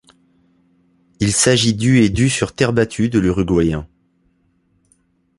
Il s'agit du et du sur terre battue de l'Uruguayen.